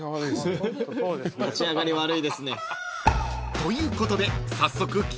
［ということで早速］